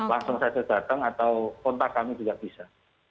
langsung saja datang atau kontak kami juga bisa